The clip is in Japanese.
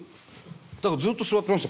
だからずっと座ってました